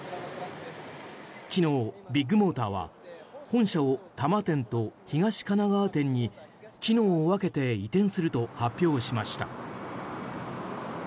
昨日、ビッグモーターは本社を多摩店と東神奈川店に機能を分けて移転すると発表しました。